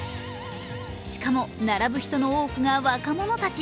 しかも、並ぶ人の多くが若者たち。